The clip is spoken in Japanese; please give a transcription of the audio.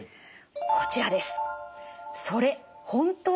こちらです。